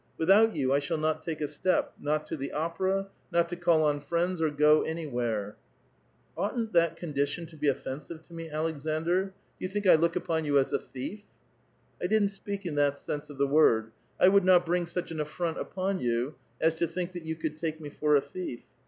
Without you I shall not take a step; not to the opera, not to oall on friends or go anywhere." *"*• Oughtn't that condition to be offensive to me Aleksandr? Do you think I look upon you as a thief ?"••* I didn't speak in that sense of the word. I would not ^'^g such an affront upon you as to think that you could ^ke me for a thief.